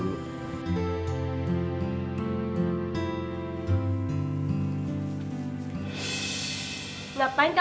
ibu sudah abaikan